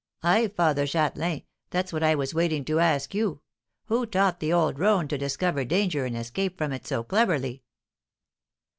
"Ay, Father Châtelain, that's what I was waiting to ask you. Who taught the old roan to discover danger and escape from it so cleverly?"